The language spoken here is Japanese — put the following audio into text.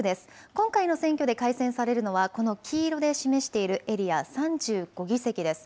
今回の選挙で改選されるのはこの黄色で示しているエリア、３５議席です。